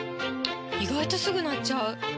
意外とすぐ鳴っちゃう！